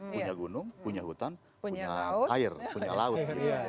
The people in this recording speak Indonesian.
punya gunung punya hutan punya air punya laut